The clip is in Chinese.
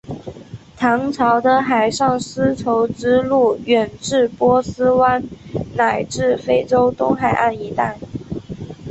唐朝的海上丝绸之路远至波斯湾乃至非洲东海岸一带。